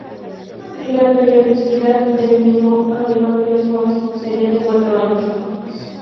La periodicidad del mismo, al igual que los Juegos, sería de cuatro años.